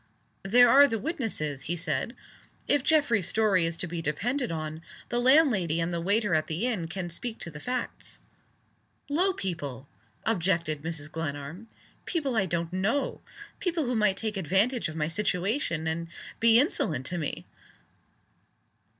"There are the witnesses," he said. "If Geoffrey's story is to be depended on, the landlady and the waiter at the inn can speak to the facts." "Low people!" objected Mrs. Glenarm. "People I don't know. People who might take advantage of my situation, and be insolent to me."